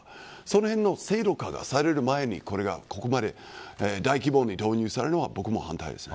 その辺の制度化がされる前にこれが、ここまで大規模に導入されるのは僕も反対です。